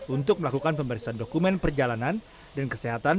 untuk melakukan pemeriksaan dokumen perjalanan dan kesehatan